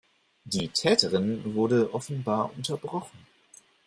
Die Täterin wurde offenbar unterbrochen.